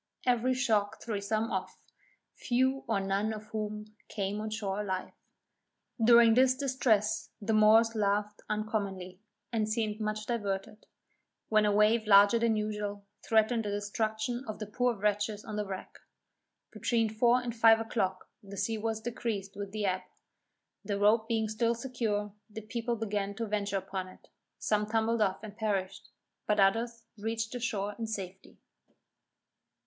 Every shock threw some off; few or none of whom came on shore alive. During this distress the Moors laughed uncommonly, and seemed much diverted, when a wave larger than usual, threatened the destruction of the poor wretches on the wreck. Between four and five o'clock the sea was decreased with the ebb; the rope being still secure, the people began to venture upon it; some tumbled off and perished, but others reached the shore in safety.